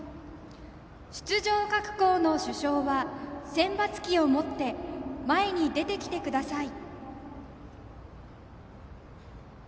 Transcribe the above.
出場各校の主将は選抜旗を持って前に出てきてください。